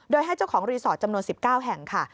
โดยให้เจ้าของรีสอร์ทจำนวน๑๙แห่งค่ะ